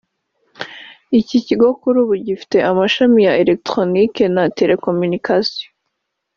Iki kigo kuri ubu gifite amashami ya Electronique na Télécommunication